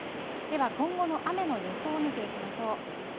では今後の雨の予想を見ていきましょう。